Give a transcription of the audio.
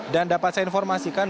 dan dapat saya informasikan